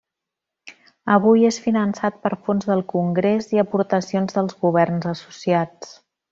Avui, és finançat per fons del congrés i aportacions dels governs associats.